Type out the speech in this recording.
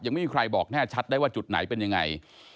ยังไม่มีใครบอกแน่ชัดได้ว่าจุดไหนเป็นยังไง